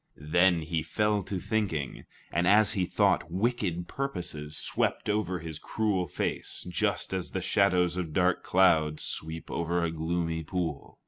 Then he fell to thinking, and as he thought, wicked purposes swept over his cruel face just as the shadows of dark clouds sweep over a gloomy pool.